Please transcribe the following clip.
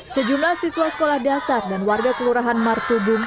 sejumlah siswa sekolah dasar dan warga kelurahan martubung